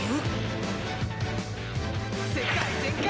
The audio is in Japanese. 世界全快！